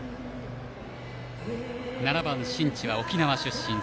７番、新地は沖縄出身。